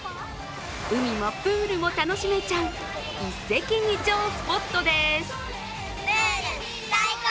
海もプールも楽しめちゃう一石二鳥スポットです。